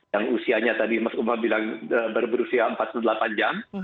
yang usianya tadi mas umar bilang berusia empat puluh delapan jam